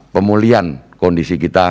pemulihan kondisi kita